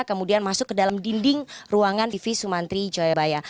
kemudian masuk ke dalam dinding ruangan tv sumantri jayabaya